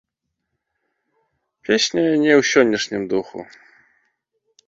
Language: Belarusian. Песня не ў сённяшнім духу.